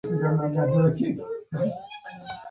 د علامه رشاد لیکنی هنر مهم دی ځکه چې نسخوپېژندنه کوي.